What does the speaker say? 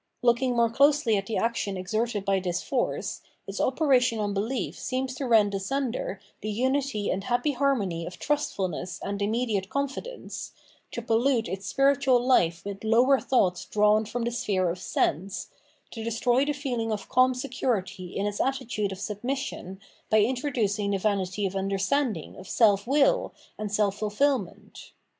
Looking more closely at the action exerted by this force, its operation on behef seems to rend asunder the unity and happy harmony of trustfulness and inamediate confidence, to pollute its spiritual hfe with lower thoughts drawn from the sphere of sense, to destroy the feeling of calm security in its attitude of submission by introducmg the vanity of understanding, of self will, and self fulfil ment.